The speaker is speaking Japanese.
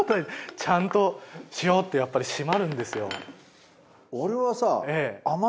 ちゃんとしようってやっぱり締まるんですよ。